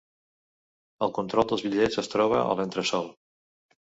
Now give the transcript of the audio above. El control dels bitllets es troba al entresòl.